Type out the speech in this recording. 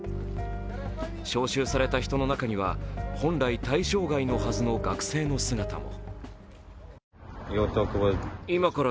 招集された人の中には、本来対象外のはずの学生の姿も。